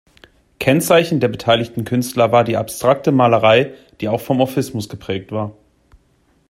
Kennzeichen der beteiligten Künstler war die Abstrakte Malerei, die auch vom Orphismus geprägt war.